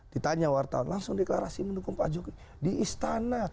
ditanya wartawan langsung deklarasi mendukung pak jokowi di istana